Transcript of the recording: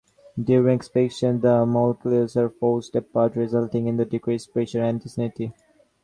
During expansion the molecules are forced apart, resulting in the decreased pressure and density.